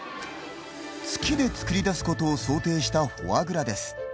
月で作り出すことを想定したフォアグラです。